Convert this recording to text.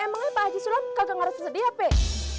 emangnya pak ajie sulam kagak ngaras sedih ya pek